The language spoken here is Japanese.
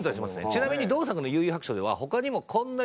ちなみに同作の『幽☆遊☆白書』では。